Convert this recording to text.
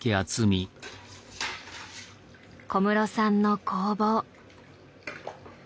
小室さんの工房。